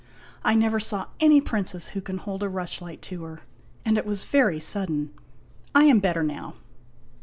I never saw any princess who can hold a rushlight to her ; and it was very sudden. I am better now."